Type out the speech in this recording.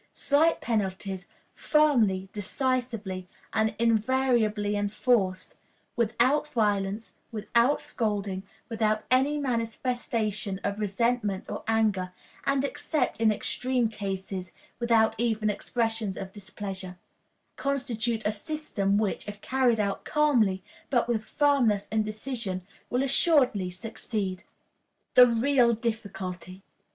Slight penalties, firmly, decisively, and invariably enforced without violence, without scolding, without any manifestation of resentment or anger, and, except in extreme cases, without even expressions of displeasure constitute a system which, if carried out calmly, but with firmness and decision, will assuredly succeed. The real Difficulty.